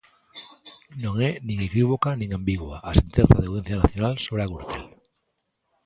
Non é nin equívoca nin ambigua a sentenza da Audiencia Nacional sobre a Gürtel.